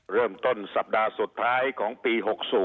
เริ่มต้นสัปดาห์สุดท้ายของปี๖๐